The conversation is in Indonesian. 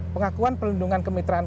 pengakuan perlindungan kemitraan